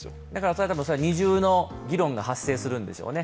それは二重の議論が発生するんですよね。